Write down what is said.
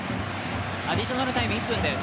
アディショナルタイム、１分です。